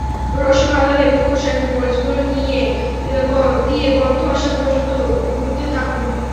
রসুন, আদা, লেবুর খোসা এবং মরিচগুঁড়া দিয়ে গন্ধ আসা পর্যন্ত ভুনতে থাকুন।